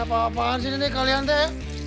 apa apaan sih ini kalian teh